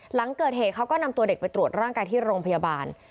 หลังเกิดเหตุเขาก็นำตัวเด็กไปตรวจร่างกายที่โรงพยาบาล